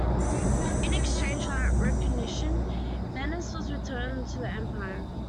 In exchange for that recognition, Venice was returned to the Empire.